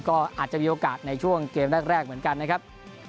ก็อาจจะมีโอกาสในช่วงเกมแรกเหมือนกันนะครับ